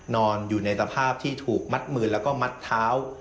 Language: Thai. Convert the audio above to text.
นอนอยู่ในสภาพที่ถูกมัดมือแล้วก็มัดเท้า